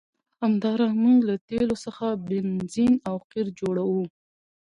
همدارنګه موږ له تیلو څخه بنزین او قیر جوړوو.